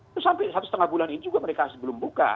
itu sampai satu setengah bulan ini juga mereka sebelum buka